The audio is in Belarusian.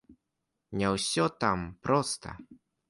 Не ўсё там проста.